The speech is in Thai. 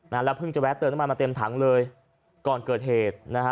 แล้วเพิ่งจะแวะเติมน้ำมันมาเต็มถังเลยก่อนเกิดเหตุนะฮะ